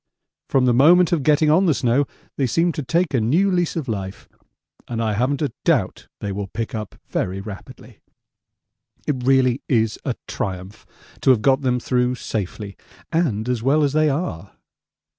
From the moment of getting on the snow they seemed to take a new lease of life, and I haven't a doubt they will pick up very rapidly. It really is a triumph to have got them through safely and as well as they are.